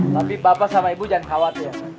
tapi bapak sama ibu jangan khawatir